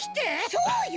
そうよ！